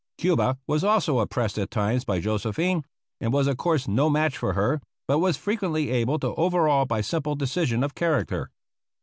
Cuba was also oppressed at times by Josephine, and was of course no match for her, but was frequently able to overawe by simple decision of character.